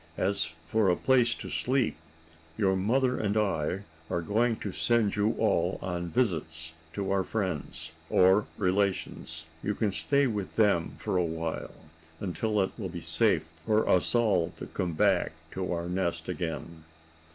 As for a place to sleep, your mother and I are going to send you all on visits to our friends, or relations. You can stay with them for a while, until it will be safe for us all to come back to our nest again."